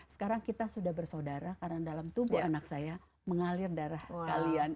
sekarang kita sudah bersaudara karena dalam tubuh anak saya mengalir darah kalian